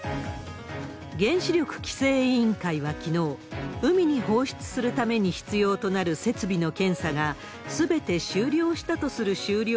原子力規制委員会はきのう、海に放出するために必要となる設備の検査がすべて終了したとする終了